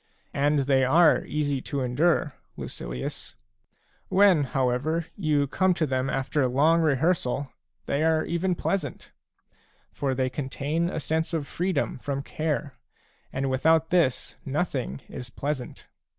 And they are easy to endure, Lucilius ; when, however, you come to them after long rehearsal, they are even pleasant ; for they contain a sense of freedom from care, — and without this nothing is pleasant.